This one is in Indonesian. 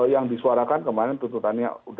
yang disuarakan kemarin tuntutannya